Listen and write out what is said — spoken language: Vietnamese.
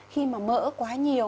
khi mà mỡ quá nhiều